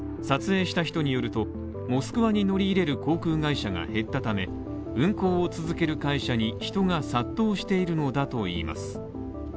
撮影した人によると、モスクワに乗り入れる航空会社が減ったため運航を続ける会社に人が殺到しているのだといいます。